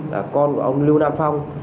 là con của ông lưu nam phong